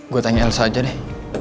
gue tanya elsa aja deh